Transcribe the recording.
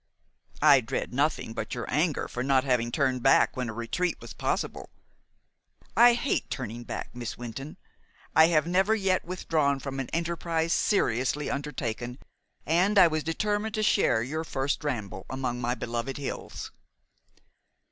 "I dread nothing but your anger for not having turned back when a retreat was possible. I hate turning back, Miss Wynton. I have never yet withdrawn from any enterprise seriously undertaken, and I was determined to share your first ramble among my beloved hills."